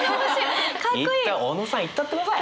小野さんいったってください。